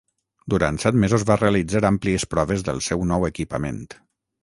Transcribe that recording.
Durant set mesos va realitzar àmplies proves del seu nou equipament.